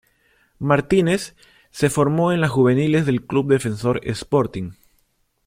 Martínez se formó en la juveniles del club Defensor Sporting.